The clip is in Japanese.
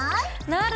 なる。